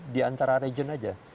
di antara region aja